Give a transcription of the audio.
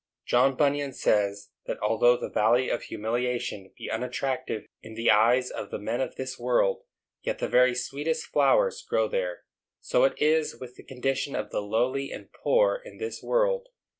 John Bunyan says that although the valley of humiliation be unattractive in the eyes of the men of this world, yet the very sweetest flowers grow there. So it is with the condition of the lowly and poor in this world.